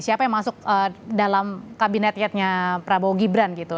siapa yang masuk dalam kabinetnya prabowo gibran gitu